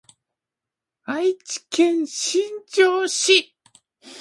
愛知県新城市